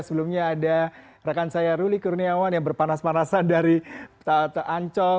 sebelumnya ada rekan saya ruli kurniawan yang berpanas panasan dari ancol